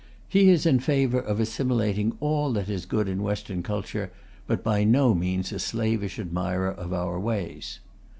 He is in favour of assimilating all that is good in Western culture, but by no means a slavish admirer of our ways.